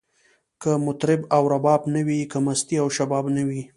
که مطرب او رباب نه وی، که مستی او شباب نه وی